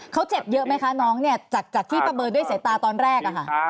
เขาเจ็บเยอะไหมคะน้องเนี่ยจากที่ประเมินด้วยสายตาตอนแรกอะค่ะ